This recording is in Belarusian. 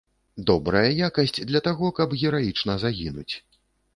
Добрая якасць для таго, каб гераічна загінуць.